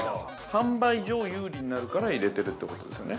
◆販売上有利になるから入れてるということですよね。